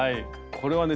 これはね